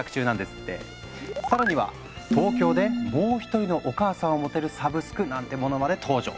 更には東京でもう一人のお母さんを持てるサブスクなんてものまで登場。